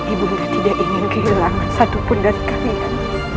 ibu dia tidak ingin kehilangan satu pun dari kalian